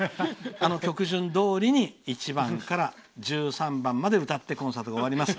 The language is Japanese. あの曲順どおりに１番から１３番まで歌ってコンサートが終わります。